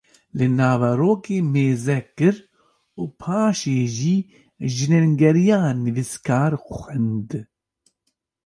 li naverokê mêzekir û paşê jî jînengeriya nivîskar xwend